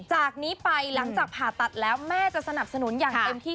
จากนี้ไปหลังจากผ่าตัดแล้วแม่จะสนับสนุนอย่างเต็มที่